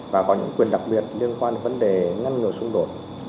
và có những quyền đặc biệt liên quan vấn đề ngăn ngừa xung đột